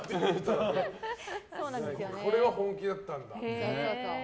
これは本気だったんだ。